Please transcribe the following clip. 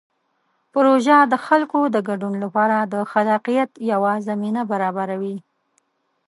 پروژه د خلکو د ګډون لپاره د خلاقیت یوه زمینه برابروي.